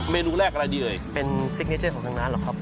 เมนูแรกอะไรดีเอ่ยเป็นซิกเนเจอร์ของทางร้านหรอกครับ